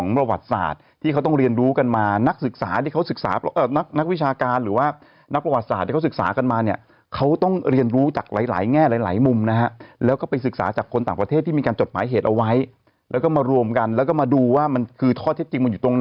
ประวัติศาสตร์ที่เขาต้องเรียนรู้กันมานักศึกษาที่เขาศึกษานักวิชาการหรือว่านักประวัติศาสตร์ที่เขาศึกษากันมาเนี่ยเขาต้องเรียนรู้จากหลายหลายแง่หลายมุมนะฮะแล้วก็ไปศึกษาจากคนต่างประเทศที่มีการจดหมายเหตุเอาไว้แล้วก็มารวมกันแล้วก็มาดูว่ามันคือข้อเท็จจริงมันอยู่ตรงไหน